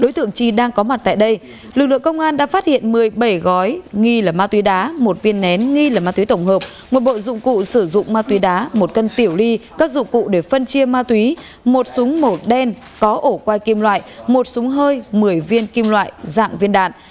lực lượng công an đã phát hiện một mươi bảy gói nghi là ma túy đá một viên nén nghi là ma túy tổng hợp một bộ dụng cụ sử dụng ma túy đá một cân tiểu ly các dụng cụ để phân chia ma túy một súng màu đen có ổ quai kim loại một súng hơi một mươi viên kim loại dạng viên đạn